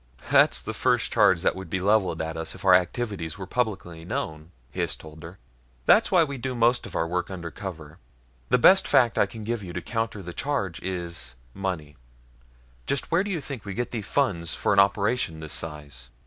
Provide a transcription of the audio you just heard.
"That's the first charge that would be leveled at us if our activities were publicly known," Hys told her. "That's why we do most of our work under cover. The best fact I can give you to counter the charge is money. Just where do you think we get the funds for an operation this size?"